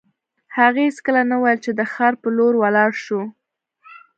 هغې هېڅکله نه ویل چې د ښار په لور ولاړ شو